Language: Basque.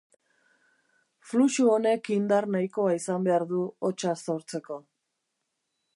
Fluxu honek indar nahikoa izan behar du hotsa sortzeko.